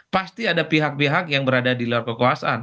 pasti ada pihak pihak yang berada di luar kekuasaan